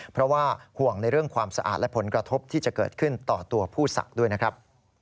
เพราะว่าห่วงในเรื่องความสะอาดและผลกระทบที่จะเกิดขึ้นต่อตัวผู้ศักดิ์ด้วยนะครับ